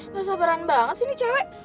ga sabaran banget sih nih cewe